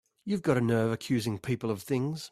You've got a nerve accusing people of things!